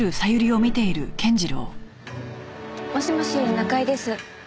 もしもし中井です。